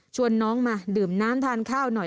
น้องมาดื่มน้ำทานข้าวหน่อย